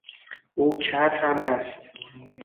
او کر هم هست.